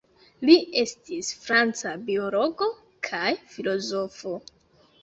Li estis franca biologo kaj filozofo.